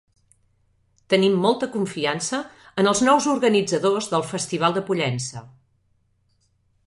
Tenim molta confiança en els nous organitzadors del Festival de Pollença.